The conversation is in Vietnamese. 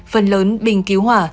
phần lớn bình cứu hỏa